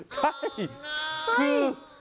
ใช่คือ